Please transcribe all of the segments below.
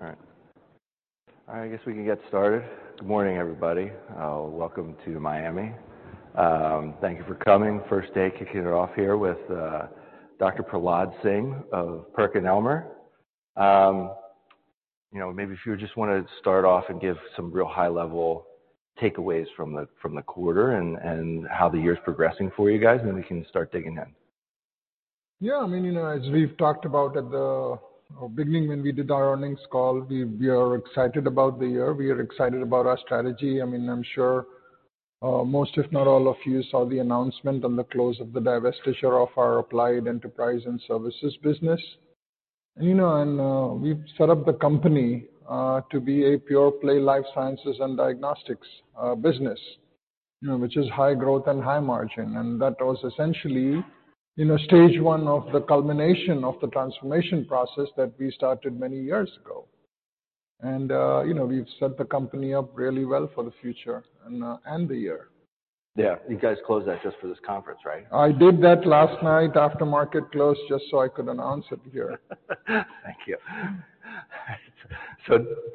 All right. I guess we can get started. Good morning, everybody. Welcome to Miami. Thank you for coming. First day, kicking it off here with Dr. Prahlad Singh of PerkinElmer. you know, maybe if you just want to start off and give some real high-level takeaways from the, from the quarter and how the year is progressing for you guys, then we can start digging in. Yeah. I mean, you know, as we've talked about at the beginning when we did our earnings call, we are excited about the year. We are excited about our strategy. I mean, I'm sure most, if not all of you saw the announcement on the close of the divestiture of our Applied Enterprise and Services business. You know, we've set up the company to be a pure play Life Sciences and Diagnostics business, you know, which is high growth and high margin. That was essentially, you know, stage one of the culmination of the transformation process that we started many years ago. You know, we've set the company up really well for the future and the year. Yeah. You guys closed that just for this conference, right? I did that last night after market close just so I could announce it here. Thank you.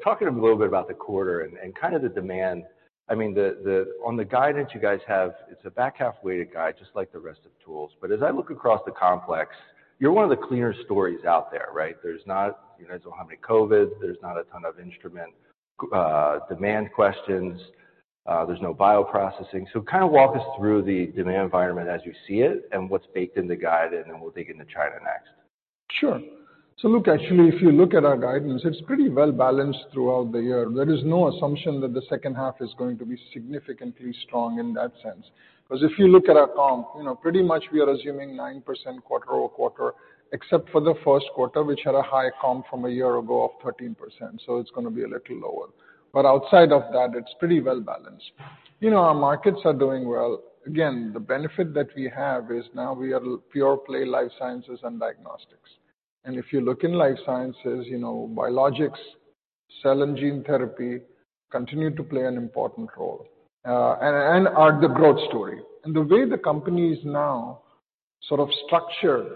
Talking a little bit about the quarter and kind of the demand. I mean, the On the guidance you guys have, it's a back half-weighted guide just like the rest of tools. As I look across the complex, you're one of the cleaner stories out there, right? You guys don't have any COVID, there's not a ton of instrument, demand questions, there's no bioprocessing. Kind of walk us through the demand environment as you see it and what's baked in the guide, and then we'll dig into China next. Sure. Look, actually, if you look at our guidance, it's pretty well balanced throughout the year. There is no assumption that the second half is going to be significantly strong in that sense. 'Cause if you look at our comp, you know, pretty much we are assuming 9% quarter-over-quarter, except for the first quarter, which had a high comp from a year ago of 13%, so it's gonna be a little lower. Outside of that, it's pretty well balanced. You know, our markets are doing well. Again, the benefit that we have is now we are pure play life sciences and diagnostics. If you look in life sciences, you know, biologics, cell and gene therapy continue to play an important role, and are the growth story. The way the company is now sort of structured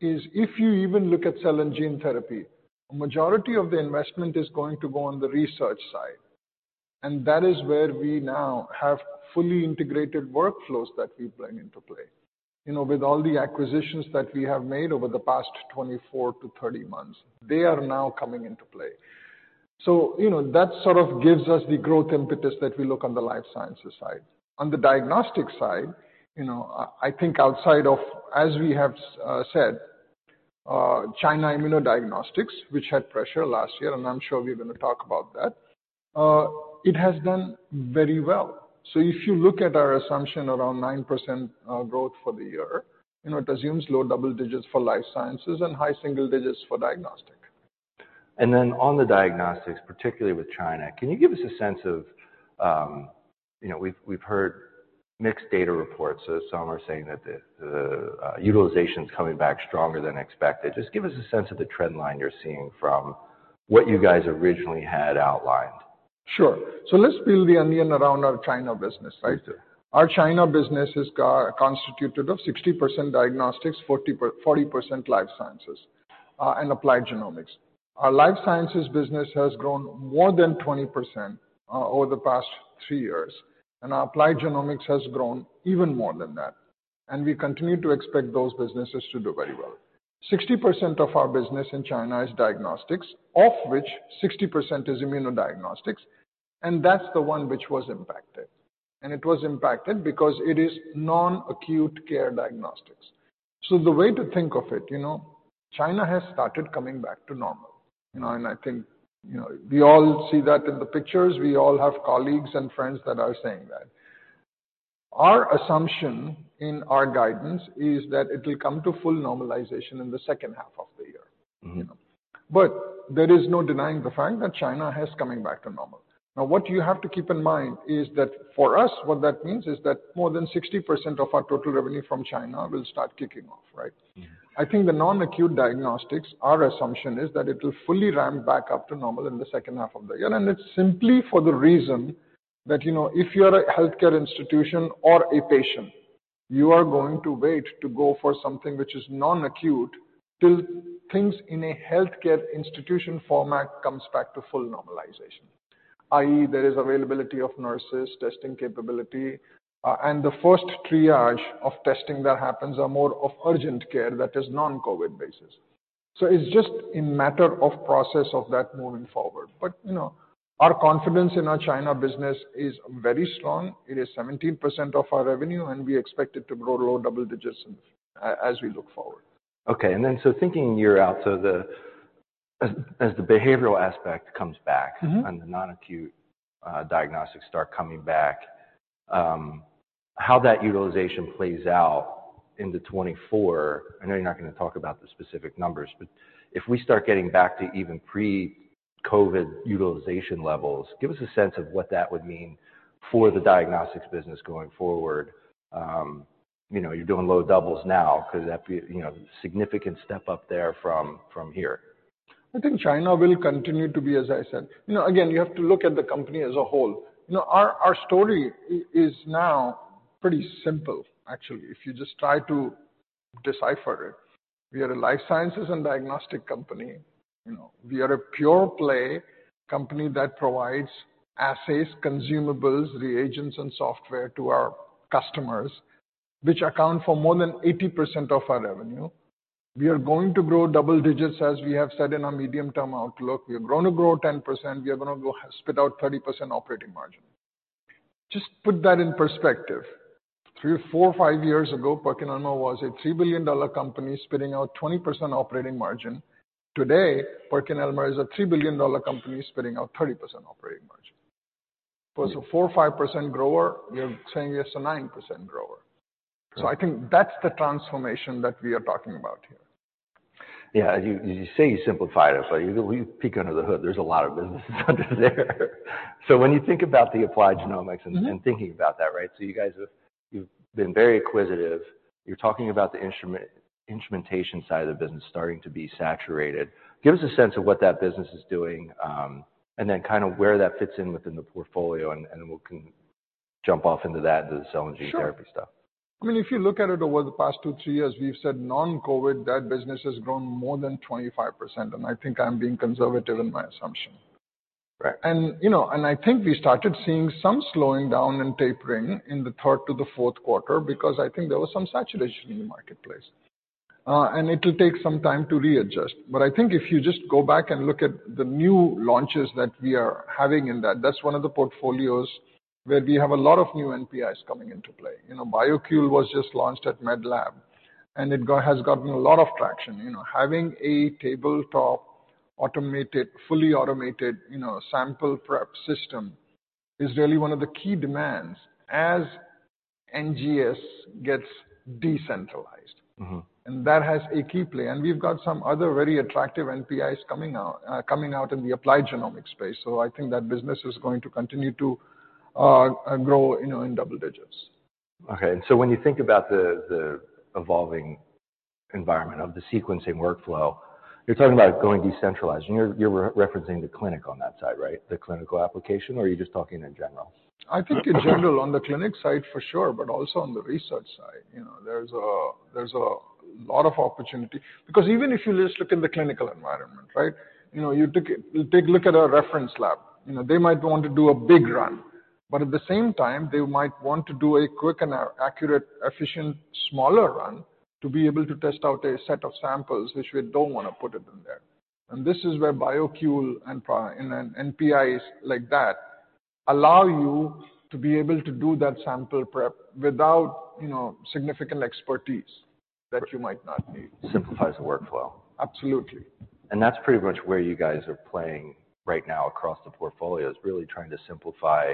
is if you even look at cell and gene therapy, a majority of the investment is going to go on the research side. That is where we now have fully integrated workflows that we bring into play. You know, with all the acquisitions that we have made over the past 24 to 30 months, they are now coming into play. You know, that sort of gives us the growth impetus that we look on the life sciences side. On the diagnostic side, you know, I think outside of, as we have said, China immunodiagnostics, which had pressure last year, and I'm sure we're gonna talk about that, it has done very well. If you look at our assumption around 9% growth for the year, you know, it assumes low double digits for life sciences and high single digits for diagnostics. On the diagnostics, particularly with China, can you give us a sense of, you know, we've heard mixed data reports. Some are saying that the utilization's coming back stronger than expected. Just give us a sense of the trend line you're seeing from what you guys originally had outlined. Sure. let's peel the onion around our China business, right? Sure. Our China business is constituted of 60% diagnostics, 40% life sciences, and applied genomics. Our life sciences business has grown more than 20% over the past three years, and our applied genomics has grown even more than that, and we continue to expect those businesses to do very well. 60% of our business in China is diagnostics, of which 60% is immunodiagnostics, and that's the one which was impacted. It was impacted because it is non-acute care diagnostics. The way to think of it, you know, China has started coming back to normal, you know, and I think, you know, we all see that in the pictures. We all have colleagues and friends that are saying that. Our assumption in our guidance is that it'll come to full normalization in the second half of the year. Mm-hmm. You know? There is no denying the fact that China has coming back to normal. Now, what you have to keep in mind is that for us, what that means is that more than 60% of our total revenue from China will start kicking off, right? Yeah. I think the non-acute diagnostics, our assumption is that it'll fully ramp back up to normal in the second half of the year. It's simply for the reason that, you know, if you're a healthcare institution or a patient, you are going to wait to go for something which is non-acute till things in a healthcare institution format comes back to full normalization. I.e., there is availability of nurses, testing capability, and the first triage of testing that happens are more of urgent care that is non-COVID basis. It's just in matter of process of that moving forward. You know, our confidence in our China business is very strong. It is 17% of our revenue, and we expect it to grow low double digits as we look forward. Okay. thinking year out, so as the behavioral aspect comes back. Mm-hmm. The non-acute diagnostics start coming back, how that utilization plays out into 2024. I know you're not gonna talk about the specific numbers, but if we start getting back to even pre-COVID utilization levels, give us a sense of what that would mean for the diagnostics business going forward? You know, you're doing low doubles now, could that be, you know, significant step up there from here? I think China will continue to be, as I said. You know, again, you have to look at the company as a whole. You know, our story is now pretty simple, actually, if you just try to decipher it. We are a life sciences and diagnostics company. You know, we are a pure play company that provides assays, consumables, reagents, and software to our customers, which account for more than 80% of our revenue. We are going to grow double-digits, as we have said in our medium-term outlook. We are gonna grow 10%. We are gonna spit out 30% operating margin. Just put that in perspective. three or four, five years ago, PerkinElmer was a $3 billion company spitting out 20% operating margin. Today, PerkinElmer is a $3 billion company spitting out 30% operating margin. Plus a 4% or 5% grower, we are saying it's a 9% grower. I think that's the transformation that we are talking about here. Yeah. You say you simplified it. You peek under the hood, there's a lot of businesses under there. When you think about the applied genomics... Mm-hmm. Thinking about that, right? You've been very acquisitive. You're talking about the instrumentation side of the business starting to be saturated. Give us a sense of what that business is doing, and then kind of where that fits in within the portfolio and we can jump off into that. Sure and gene therapy stuff. I mean, if you look at it over the past two, three years, we've said non-COVID, that business has grown more than 25%. I think I'm being conservative in my assumption. Right. You know, and I think we started seeing some slowing down and tapering in the third to the fourth quarter because I think there was some saturation in the marketplace. It'll take some time to readjust. I think if you just go back and look at the new launches that we are having in that's one of the portfolios where we have a lot of new NPIs coming into play. You know, BioQule was just launched at MedLab, and it has gotten a lot of traction. You know, having a tabletop automated, fully automated, you know, sample prep system is really one of the key demands as NGS gets decentralized. Mm-hmm. That has a key play. We've got some other very attractive NPIs coming out, coming out in the applied genomics space. I think that business is going to continue to grow, you know, in double digits. When you think about the evolving environment of the sequencing workflow, you're talking about going decentralized, and you're re-referencing the clinic on that side, right? The clinical application, or are you just talking in general? I think in general on the clinic side for sure, but also on the research side. You know, there's a lot of opportunity because even if you just look in the clinical environment, right? You know, you take a look at our reference lab. You know, they might want to do a big run, but at the same time they might want to do a quick and accurate, efficient, smaller run to be able to test out a set of samples which we don't wanna put it in there. This is where BioQuel and then NPIs like that allow you to be able to do that sample prep without, you know, significant expertise that you might not need. Simplifies the workflow. Absolutely. That's pretty much where you guys are playing right now across the portfolio, is really trying to simplify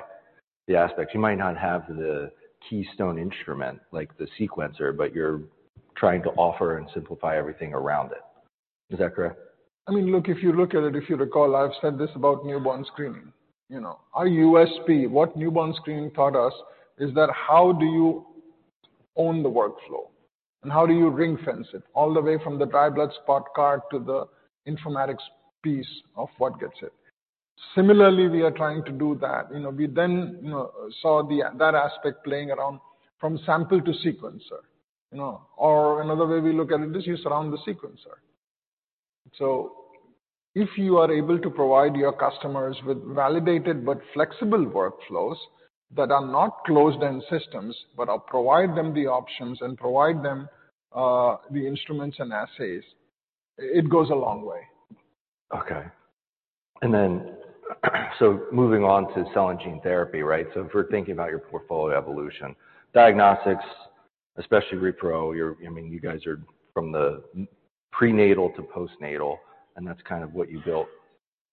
the aspects. You might not have the keystone instrument like the sequencer, but you're trying to offer and simplify everything around it. Is that correct? I mean, look, if you look at it, if you recall, I've said this about newborn screening, you know. Our USP, what newborn screening taught us is that how do you own the workflow and how do you ring-fence it all the way from the dried blood spot card to the informatics piece of what gets it. We are trying to do that. We, you know, saw that aspect playing around from sample to sequencer, you know. Another way we look at it is you surround the sequencer. If you are able to provide your customers with validated but flexible workflows that are not closed in systems, but I'll provide them the options and provide them the instruments and assays, it goes a long way. Okay. Moving on to cell and gene therapy, right? If we're thinking about your portfolio evolution, diagnostics, especially repro, I mean, you guys are from the prenatal to postnatal, and that's kind of what you built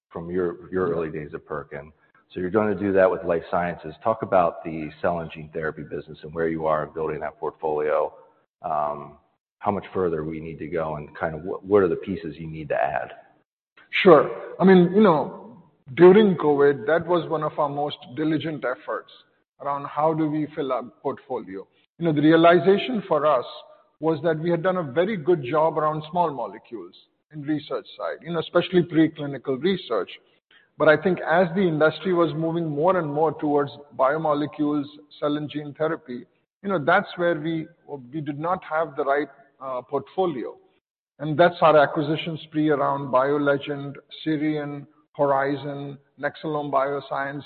from your early days at Perkin. You're gonna do that with life sciences. Talk about the cell and gene therapy business and where you are in building that portfolio. How much further we need to go and kind of what are the pieces you need to add? Sure. I mean, you know, during COVID, that was one of our most diligent efforts around how do we fill our portfolio. You know, the realization for us was that we had done a very good job around small molecules in research side, you know, especially preclinical research. I think as the industry was moving more and more towards biomolecules, cell and gene therapy, you know, that's where we did not have the right portfolio. That's our acquisition spree around BioLegend, Sirion, Horizon, Nexcelom Bioscience,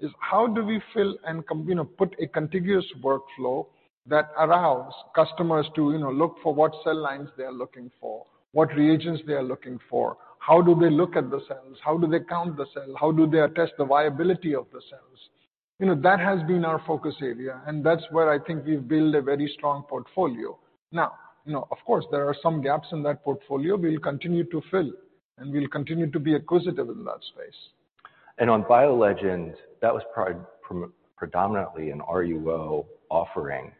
is how do we fill and You know, put a contiguous workflow that allows customers to, you know, look for what cell lines they are looking for, what reagents they are looking for, how do they look at the cells, how do they count the cell, how do they test the viability of the cells? You know, that has been our focus area, and that's where I think we've built a very strong portfolio. You know, of course, there are some gaps in that portfolio we'll continue to fill, and we'll continue to be acquisitive in that space. On BioLegend, that was probably predominantly an RUO offering.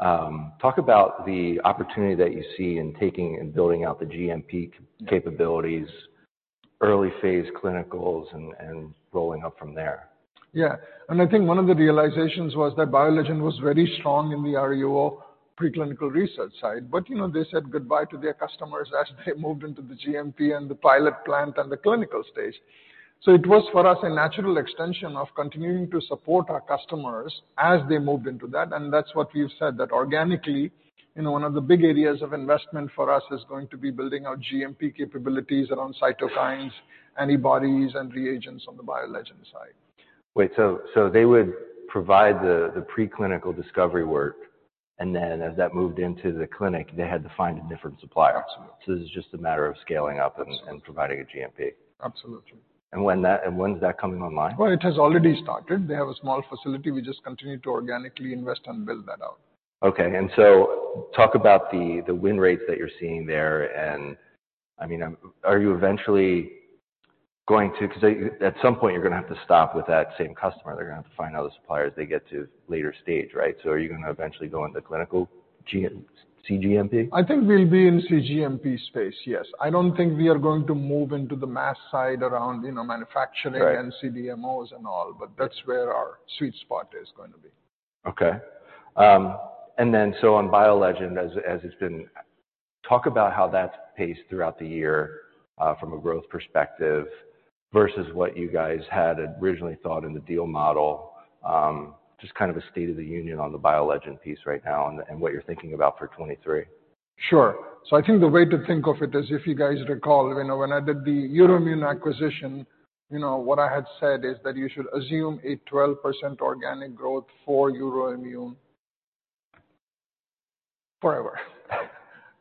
Talk about the opportunity that you see in taking and building out the GMP capabilities, early phase clinicals and rolling up from there. Yeah. I think one of the realizations was that BioLegend was very strong in the RUO pre-clinical research side. You know, they said goodbye to their customers as they moved into the GMP and the pilot plant and the clinical stage. It was for us a natural extension of continuing to support our customers as they moved into that, and that's what we've said, that organically, you know, one of the big areas of investment for us is going to be building our GMP capabilities around cytokines, antibodies, and reagents on the BioLegend side. Wait. They would provide the pre-clinical discovery work, and then as that moved into the clinic, they had to find a different supplier. Absolutely. This is just a matter of scaling. Absolutely. Providing a GMP. Absolutely. When is that coming online? Well, it has already started. They have a small facility. We just continue to organically invest and build that out. Okay. Talk about the win rates that you're seeing there and, I mean, are you eventually going to... 'cause at some point, you're gonna have to stop with that same customer. They're gonna have to find other suppliers as they get to later stage, right? Are you gonna eventually go into clinical cGMP? I think we'll be in cGMP space, yes. I don't think we are going to move into the mass side around, you know, manufacturing. Right. CDMOs and all, but that's where our sweet spot is going to be. On BioLegend as it's been... Talk about how that's paced throughout the year, from a growth perspective versus what you guys had originally thought in the deal model. Just kind of a state of the union on the BioLegend piece right now and what you're thinking about for 2023? Sure. I think the way to think of it is if you guys recall, you know, when I did the EUROIMMUN acquisition, you know, what I had said is that you should assume a 12% organic growth for EUROIMMUNforever.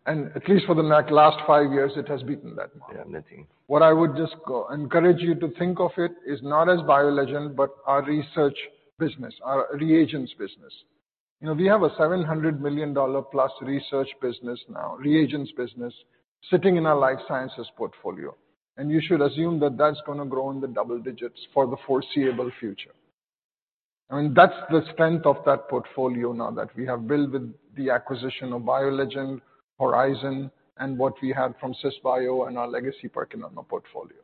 At least for the last five years, it has beaten that model. Yeah. Nothing. What I would just go encourage you to think of it is not as BioLegend, but our research business, our reagents business. You know, we have a $700+ million research business now, reagents business, sitting in our life sciences portfolio. You should assume that that's gonna grow in the double digits for the foreseeable future. I mean, that's the strength of that portfolio now that we have built with the acquisition of BioLegend, Horizon, and what we have from Cisbio and our legacy PerkinElmer portfolio.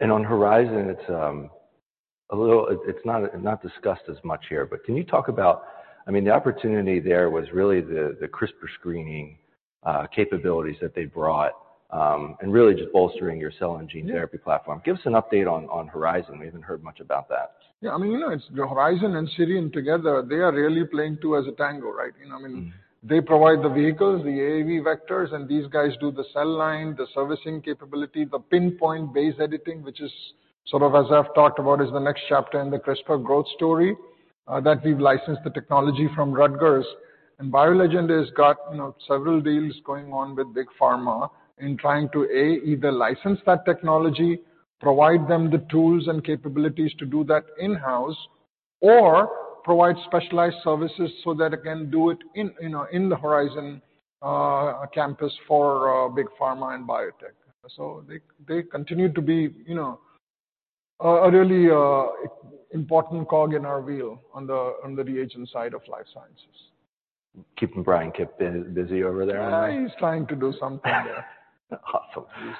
On Horizon, it's a little... it's not discussed as much here, but can you talk about... I mean, the opportunity there was really the CRISPR screening capabilities that they brought and really just bolstering your cell and gene therapy platform. Give us an update on Horizon. We haven't heard much about that. Yeah. I mean, you know, it's the Horizon and Sirion together, they are really playing two as a tango, right? You know what I mean? Mm-hmm. They provide the vehicles, the AAV vectors, and these guys do the cell line, the servicing capability, the Pin-point base editing, which is sort of, as I've talked about, is the next chapter in the CRISPR growth story, that we've licensed the technology from Rutgers. BioLegend has got, you know, several deals going on with big pharma in trying to, A, either license that technology, provide them the tools and capabilities to do that in-house or provide specialized services so that it can do it in, you know, in the Horizon campus for big pharma and biotech. They, they continue to be, you know, a really important cog in our wheel on the reagent side of life sciences. Keeping Bryan Kipp busy over there. I know he's trying to do something there. All right.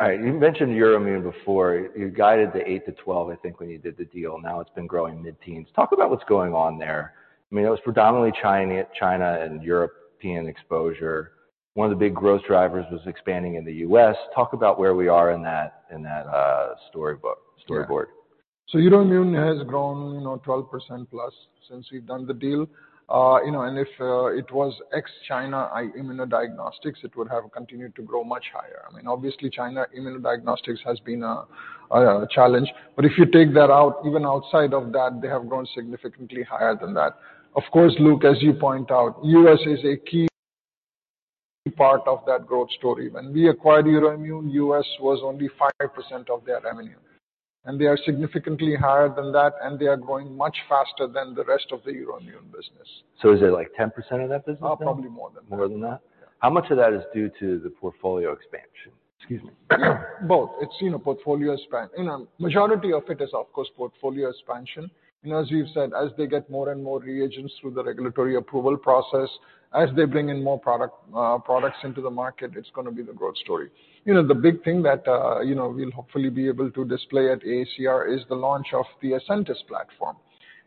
You mentioned EUROIMMUN before. You guided the 8%-12%, I think, when you did the deal. Now it's been growing mid-teens. Talk about what's going on there. I mean, it was predominantly China and European exposure. One of the big growth drivers was expanding in the U.S. Talk about where we are in that storybook, storyboard. Yeah. EUROIMMUN has grown, you know, 12% plus since we've done the deal. you know, and if it was ex-China immunodiagnostics, it would have continued to grow much higher. I mean, obviously, China immunodiagnostics has been a challenge. If you take that out, even outside of that, they have grown significantly higher than that. Of course, Luke, as you point out, U.S. is a key part of that growth story. When we acquired EUROIMMUN, U.S. was only 5% of their revenue, and they are significantly higher than that, and they are growing much faster than the rest of the EUROIMMUN business. Is it like 10% of that business then? Oh, probably more than that. More than that? Yeah. How much of that is due to the portfolio expansion? Excuse me. Both. It's, you know, majority of it is, of course, portfolio expansion. You know, as you've said, as they get more and more reagents through the regulatory approval process, as they bring in more products into the market, it's gonna be the growth story. You know, the big thing that, you know, we'll hopefully be able to display at ACR is the launch of the Ascentis platform.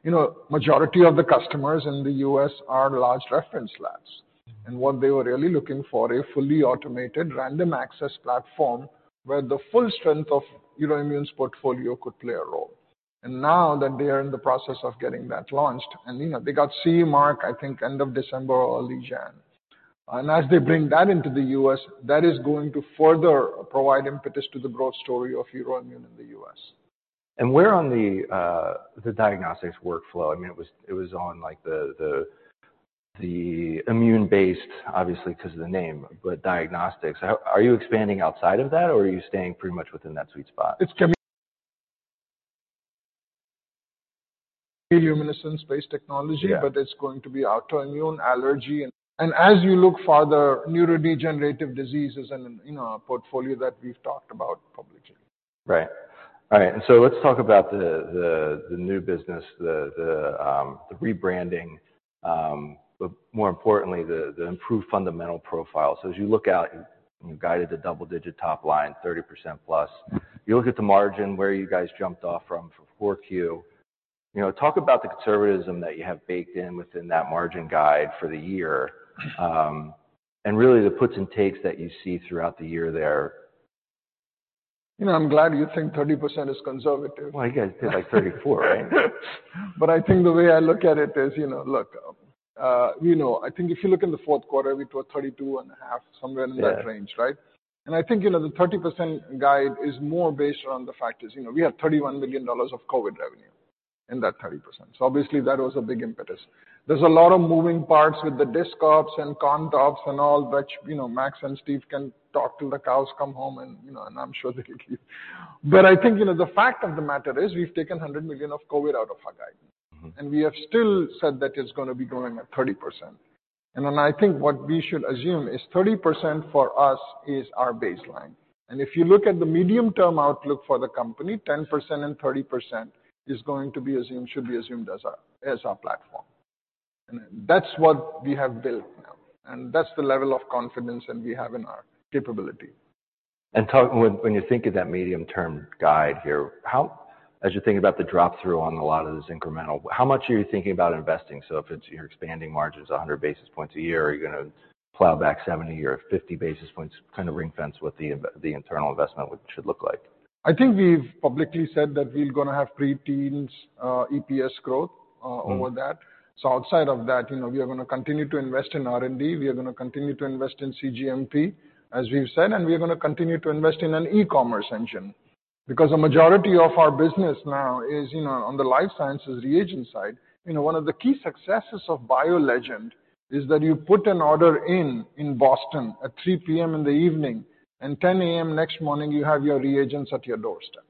You know, majority of the customers in the U.S. are large reference labs, and what they were really looking for, a fully automated random access platform where the full strength of EUROIMMUN's portfolio could play a role. Now that they are in the process of getting that launched, and, you know, they got CE mark, I think, end of December or early January. As they bring that into the U.S., that is going to further provide impetus to the growth story of EUROIMMUN in the U.S. Where on the diagnostics workflow? I mean, it was on like the immune-based, obviously, 'cause of the name, but diagnostics. Are you expanding outside of that, or are you staying pretty much within that sweet spot? It's chemiluminescence-based technology. Yeah. It's going to be autoimmune allergy. As you look for the neurodegenerative diseases in, you know, our portfolio that we've talked about publicly. Right. All right. Let's talk about the, the new business, the, the rebranding, but more importantly, the improved fundamental profile. As you look out, you guided the double-digit top line, 30%+. You look at the margin, where you guys jumped off from 4Q. You know, talk about the conservatism that you have baked in within that margin guide for the year, and really the puts and takes that you see throughout the year there. You know, I'm glad you think 30% is conservative. Well, you guys did like 34, right? I think the way I look at it is, you know, look, you know, I think if you look in the fourth quarter, we did 32.5, somewhere in that range, right? Yeah. I think, you know, the 30% guide is more based around the fact is, you know, we have $31 million of COVID revenue in that 30%. Obviously that was a big impetus. There's a lot of moving parts with the discontinued operations and Content Operations and all which, you know, Max and Steve can talk till the cows come home and, you know, and I'm sure they will. I think, you know, the fact of the matter is, we've taken $100 million of COVID out of our guidance. Mm-hmm. We have still said that it's gonna be growing at 30%. I think what we should assume is 30% for us is our baseline. If you look at the medium-term outlook for the company, 10% and 30% is going to be assumed, should be assumed as our platform. That's what we have built now, and that's the level of confidence that we have in our capability. When you think of that medium-term guide here, as you think about the drop through on a lot of this incremental, how much are you thinking about investing? If it's you're expanding margins 100 basis points a year, are you gonna plowback 70 or 50 basis points kind of ring-fence what the internal investment should look like? I think we've publicly said that we're gonna have pre-teens, EPS growth, over that. Mm-hmm. Outside of that, you know, we are gonna continue to invest in R&D. We are gonna continue to invest in cGMP, as we've said, and we are gonna continue to invest in an e-commerce engine. A majority of our business now is, you know, on the life sciences reagent side. You know, one of the key successes of BioLegend is that you put an order in in Boston at 3:00 P.M. in the evening, and 10:00 A.M. next morning, you have your reagents at your doorstep.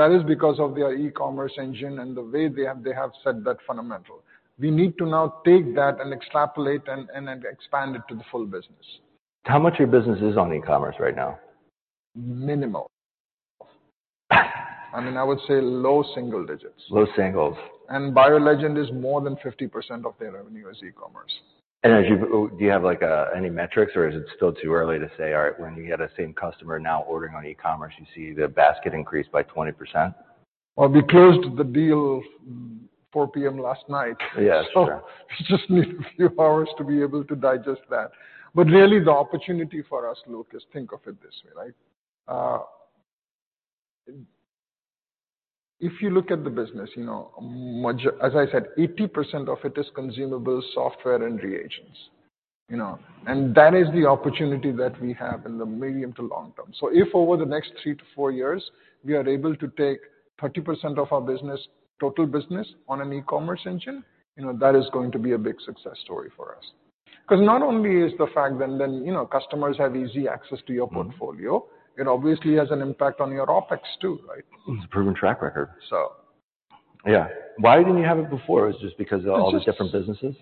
That is because of their e-commerce engine and the way they have set that fundamental. We need to now take that and extrapolate and expand it to the full business. How much of your business is on e-commerce right now? Minimal. I mean, I would say low single digits. Low singles. BioLegend is more than 50% of their revenue is e-commerce. Do you have like any metrics or is it still too early to say, all right, when you get a same customer now ordering on e-commerce, you see the basket increase by 20%? Well, we closed the deal 4:00 P.M. last night. Yeah, sure. Just need a few hours to be able to digest that. Really the opportunity for us, Luke, is think of it this way, right? If you look at the business, you know, as I said, 80% of it is consumable software and reagents, you know. That is the opportunity that we have in the medium to long term. If over the next three to four years, we are able to take 30% of our business, total business on an e-commerce engine, you know, that is going to be a big success story for us. Not only is the fact then, you know, customers have easy access to your portfolio, it obviously has an impact on your OpEx too, right? It's a proven track record. So. Yeah. Why didn't you have it before? Is it just because of all the different businesses? It's.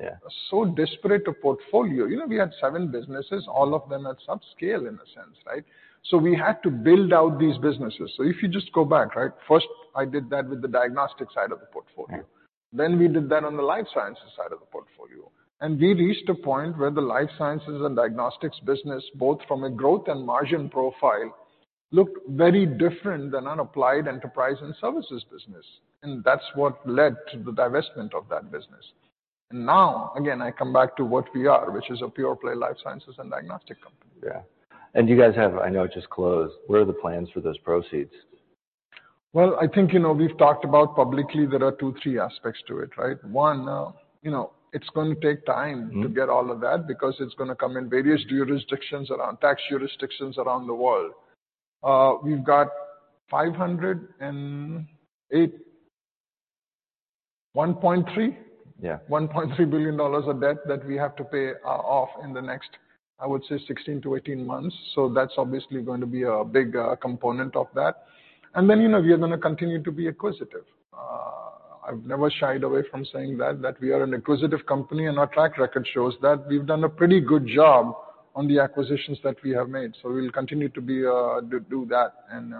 Yeah. Disparate a portfolio. You know, we had seven businesses, all of them at some scale in a sense, right? We had to build out these businesses. If you just go back, right? First, I did that with the diagnostic side of the portfolio. Yeah. We did that on the life sciences side of the portfolio. We reached a point where the life sciences and diagnostics business, both from a growth and margin profile, looked very different than an applied enterprise and services business. That's what led to the divestment of that business. Now, again, I come back to what we are, which is a pure play life sciences and diagnostic company. Yeah. You guys have, I know it just closed. What are the plans for those proceeds? Well, I think, you know, we've talked about publicly, there are two, three aspects to it, right? One, you know, it's gonna take time. Mm-hmm. to get all of that because it's gonna come in various jurisdictions around, tax jurisdictions around the world. We've got 1.3? Yeah. $1.3 billion of debt that we have to pay, off in the next, I would say, 16 to 18 months. That's obviously going to be a big component of that. You know, we are gonna continue to be acquisitive. I've never shied away from saying that we are an acquisitive company, and our track record shows that we've done a pretty good job on the acquisitions that we have made. We'll continue to be, to do that and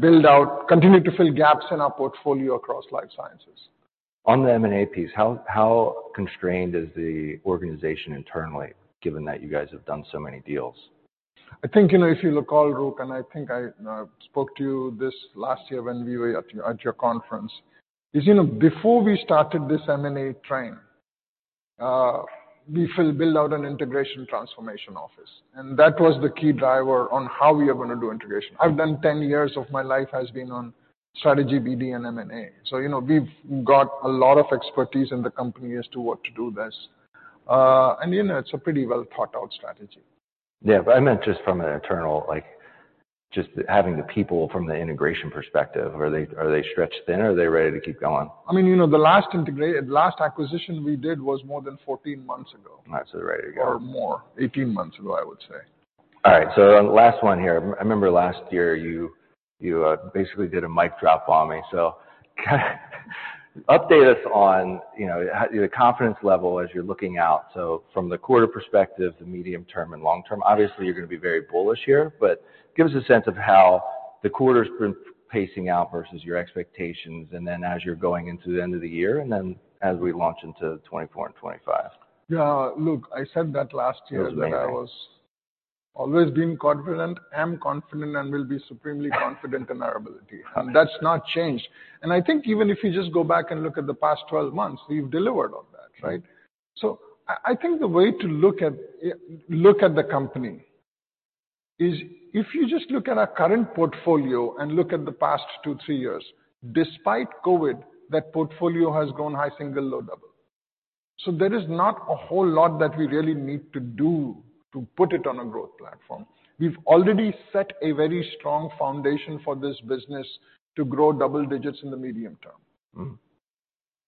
build out, continue to fill gaps in our portfolio across life sciences. On the M&A piece, how constrained is the organization internally, given that you guys have done so many deals? I think, you know, if you look all, Luke, I think I spoke to you this last year when we were at your conference, you know, before we started this M&A train, we build out an integration transformation office. That was the key driver on how we are gonna do integration. I've done 10 years of my life has been on strategy, BD, and M&A. You know, we've got a lot of expertise in the company as to what to do this. You know, it's a pretty well thought out strategy. Yeah. I meant just from an internal, like, just having the people from the integration perspective. Are they stretched thin or are they ready to keep going? I mean, you know, the last acquisition we did was more than 14 months ago. They're ready to go. More. 18 months ago, I would say. All right. Last one here. I remember last year, you basically did a mic drop on me. Update us on, you know, how the confidence level as you're looking out. From the quarter perspective, the medium term and long term, obviously, you're gonna be very bullish here, but give us a sense of how the quarter's been pacing out versus your expectations and then as you're going into the end of the year and then as we launch into 2024 and 2025. Yeah. Look, I said that last year. It was amazing. I was always been confident, am confident, and will be supremely confident in our ability. That's not changed. I think even if you just go back and look at the past 12 months, we've delivered on that, right? I think the way to look at the company is if you just look at our current portfolio and look at the past two, three years, despite COVID, that portfolio has grown high single %, low double %. There is not a whole lot that we really need to do to put it on a growth platform. We've already set a very strong foundation for this business to grow double digits in the medium term.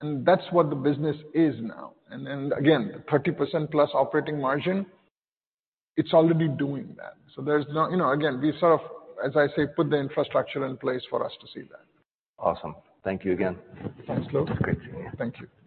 Mm. That's what the business is now. Again, 30% plus operating margin, it's already doing that. You know, again, we sort of, as I say, put the infrastructure in place for us to see that. Awesome. Thank you again. Thanks, Luke. Great seeing you. Thank you.